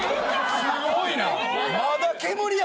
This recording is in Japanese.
すごいな。